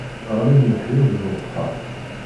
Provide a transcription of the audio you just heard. Ɣlin leḥyuḍ n wexxam.